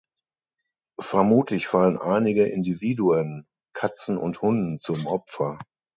Vermutlich fallen einige Individuen Katzen und Hunden zum Opfer.